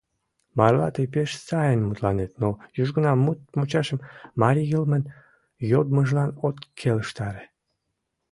— Марла тый пеш сайын мутланет, но южгунам мут мучашым марий йылмын йодмыжлан от келыштаре.